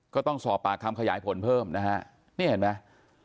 ก็ต้องสอบปากคำขยายผลเพิ่มนะฮะนี่เห็นไหม